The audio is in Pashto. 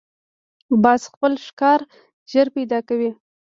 باز خپل ښکار ژر پیدا کوي